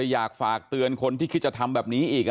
อยากฝากเตือนคนที่คิดจะทำแบบนี้อีก